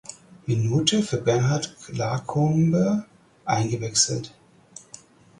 Minute für Bernard Lacombe eingewechselt.